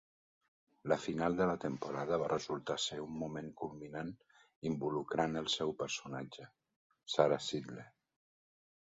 La final de la temporada va resultar ser un moment culminant involucrant el seu personatge, Sara Sidle.